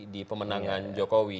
di pemenangan jokowi